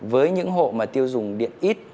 với những hộ mà tiêu dùng điện ít